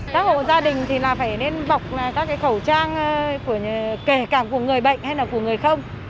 các hộ gia đình thì là phải nên bọc các khẩu trang kể cả của người bệnh hay là của người không